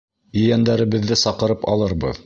Ейәндәребеҙҙе саҡырып алырбыҙ...